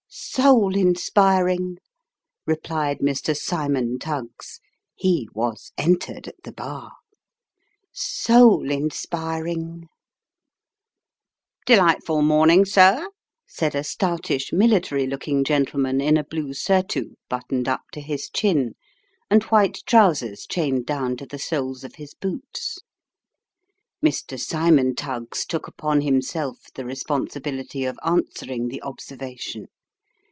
" Soul inspiring," replied Mr. Cymon Tuggs he was entered at the bar. " Soul inspiring !"" Delightful morning, sir !" said a stoutish, military looking gentle man in a blue surtout buttoned up to his chin, and white trousers chained down to the soles of his boots. Mr. Cymon Tuggs took upon himself the responsibility of answering the observation.